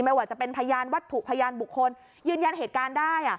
ไม่ว่าจะเป็นพยานวัตถุพยานบุคคลยืนยันเหตุการณ์ได้